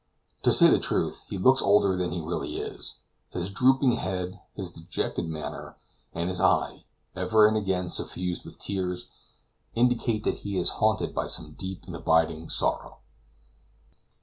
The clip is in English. To say the truth, he looks older than he really is: his drooping head, his dejected manner, and his eye, ever and again suffused with tears, indicate that he is haunted by some deep and abiding sorrow.